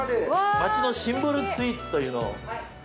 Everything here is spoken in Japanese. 街のシンボルスイーツというのを。